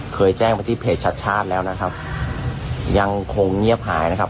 เคยแจ้งไปที่เพจชัดชาติแล้วนะครับยังคงเงียบหายนะครับ